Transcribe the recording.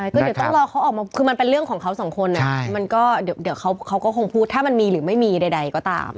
ก็เดี๋ยวต้องรอเขาออกมาคือมันเป็นเรื่องของเขาสองคนเดี๋ยวเขาก็คงพูดถ้ามันมีหรือไม่มีใดก็ตาม